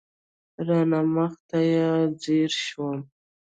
راڼه مخ ته یې ځېر شوم.